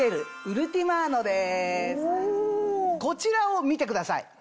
こちらを見てください。